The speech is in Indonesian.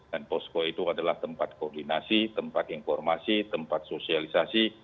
dan posko itu adalah tempat koordinasi tempat informasi tempat sosialisasi